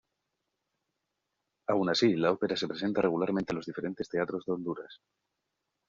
Aun así, la Ópera se presenta regularmente en los diferentes teatros de Honduras.